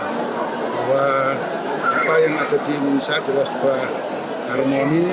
bahwa apa yang ada di indonesia adalah sebuah harmoni